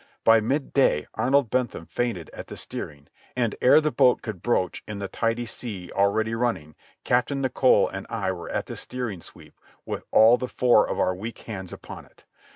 By midday Arnold Bentham fainted at the steering, and, ere the boat could broach in the tidy sea already running, Captain Nicholl and I were at the steering sweep with all the four of our weak hands upon it.